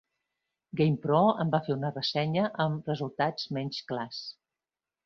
"GamePro" en va fer una ressenya amb resultats menys clars.